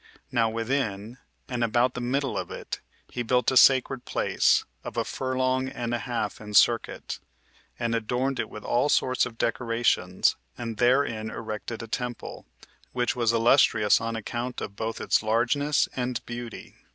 Now within, and about the middle of it, he built a sacred place, of a furlong and a half [in circuit], and adorned it with all sorts of decorations, and therein erected a temple, which was illustrious on account of both its largeness and beauty.